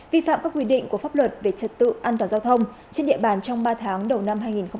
vi phạm các quy định của pháp luật về trật tự an toàn giao thông trên địa bàn trong ba tháng đầu năm hai nghìn hai mươi